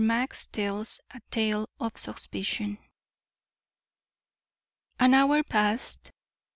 MAX TELLS A TALE OF SUSPICION An hour passed.